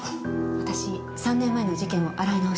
私３年前の事件を洗い直してみます。